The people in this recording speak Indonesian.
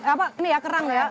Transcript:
apa ini ya kerang ya